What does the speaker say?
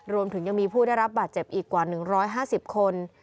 รวมถึงยังมีผู้ได้รับบาดเจ็บอีกกว่า๑๕๐คน